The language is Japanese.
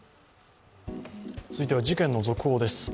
続いては事件の続報です。